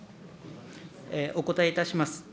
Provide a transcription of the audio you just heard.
お答えいたします。